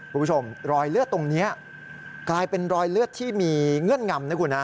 คุณผู้ชมรอยเลือดตรงนี้กลายเป็นรอยเลือดที่มีเงื่อนงำนะคุณฮะ